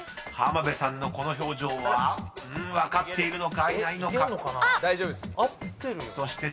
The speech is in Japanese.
［浜辺さんのこの表情は分かっているのかいないのか］